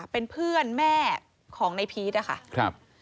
เป็นเพื่อนแม่ของในพีชนะคะ